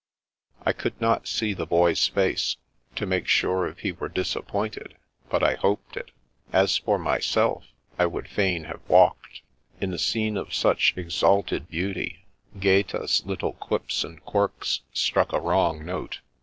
I could not see the Boy's face, to make sure if he were disappointed, but I hoped it. As for myself, I would fain have walked. In a scene of such exalted beauty, Gaeta's little quips and quirks struck a wrong note.